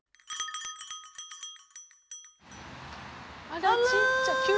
あらちっちゃい！